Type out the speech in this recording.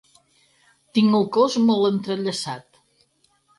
Tinc el cos molt entrellaçat.